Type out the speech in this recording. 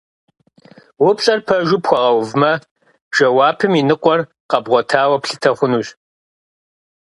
Упщӏэр пэжу пхуэгъэувмэ, жэуапым и ныкъуэр къэбгъуэтауэ плъытэ хъунущ.